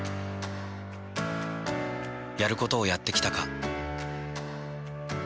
やることをやってきたか。